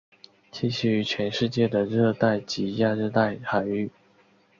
栖息于全世界的热带及亚热带海域。